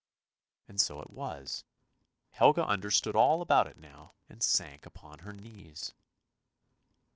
And so it was; Helga understood all about it now and sank upon her knees.